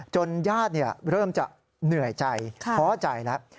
ญาติเริ่มจะเหนื่อยใจท้อใจแล้ว